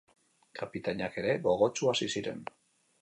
Kapitainak ere gogotsu hasi ziren.